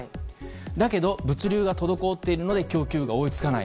だけど、物流が滞っているので供給が追い付かない。